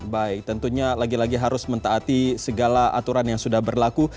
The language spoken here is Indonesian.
baik tentunya lagi lagi harus mentaati segala aturan yang sudah berlaku